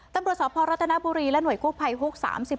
ตำรวจสอบพรัฐนาบุรีเล่นวัยคู่ไพฮุ๊ก๓๑